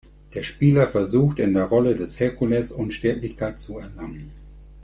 Der Spieler versucht, in der Rolle des Herkules Unsterblichkeit zu erlangen.